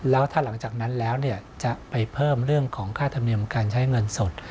แล้วถ้าหลังจากนั้นแล้วจะไปเพิ่มเรื่องของค่าธรรมเนียมการใช้เงินสด